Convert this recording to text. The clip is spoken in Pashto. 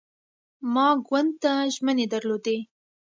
ما ګوند ته ژمنې درلودې.